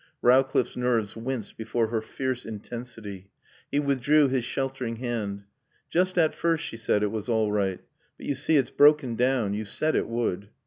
Rowcliffe's nerves winced before her fierce intensity. He withdrew his sheltering hand. "Just at first," she said, "it was all right. But you see it's broken down. You said it would."